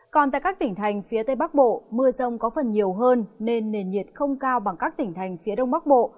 còn tại các tỉnh thành phía tây bắc bộ mưa rông có phần nhiều hơn nên nền nhiệt không cao bằng các tỉnh thành phía đông bắc bộ